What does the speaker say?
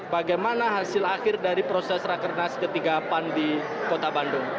bagaimana hasil akhir dari proses rakernas ketiga pan di kota bandung